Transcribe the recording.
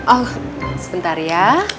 oh sebentar ya